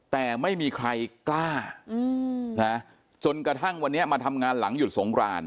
แต่ไม่มีใครกล้าจนกระทั่งวันนี้มาทำงานหลังหยุดสงคราน